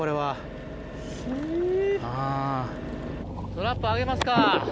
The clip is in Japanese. トラップ上げますか。